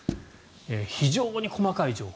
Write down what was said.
非常に細かい情報。